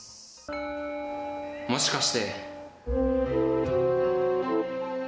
もしかして。